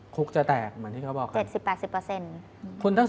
คุกจะแตกเหมือนที่เขาบอก๗๐๘๐